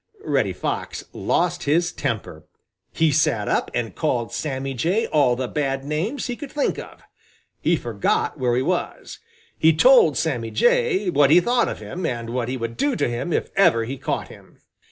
Reddy Fox lost his temper. He sat up and called Sammy Jay all the bad names he could think of. He forgot where he was. He told Sammy Jay what he thought of him and what he would do to him if ever he caught him.